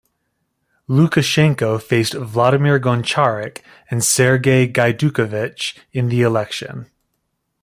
Lukashenko faced Vladimir Goncharik and Sergei Gaidukevich in the election.